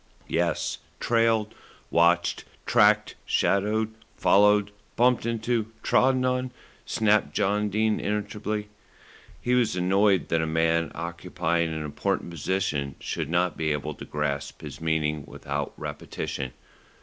"Yes, trailed, watched, tracked, shadowed, followed, bumped into, trodden on," snapped John Dene irritably. He was annoyed that a man occupying an important position should not be able to grasp his meaning without repetition.